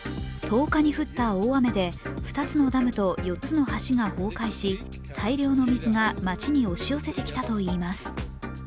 １０日に降った大雨で、２つのダムと４つの橋が崩壊し、大量の水が街に押し寄せてきたといいます。